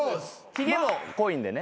ひげも濃いんでね。